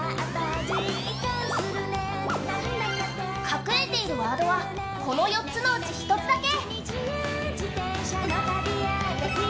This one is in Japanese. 隠れているワードはこの４つのうち１つだけ。